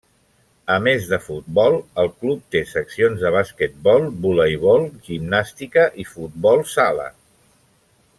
A més de futbol, el club té seccions de basquetbol, voleibol, gimnàstica, i futbol sala.